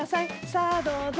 さあどうぞ。